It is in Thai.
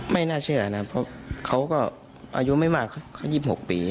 ไม่น่าเชื่อนะเพราะเขาก็อายุไม่มาก๒๖ปี